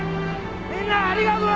みんなありがとな！